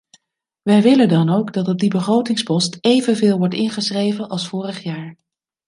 Wij willen dan ook dat op die begrotingspost evenveel wordt ingeschreven als vorig jaar.